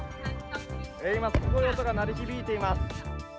すごい音が鳴り響いています。